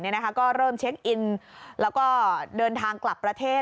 ก็เริ่มเช็คอินแล้วก็เดินทางกลับประเทศ